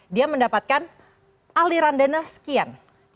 dia mendapatkan aliran dana sekian